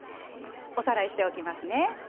おさらいしておきますね。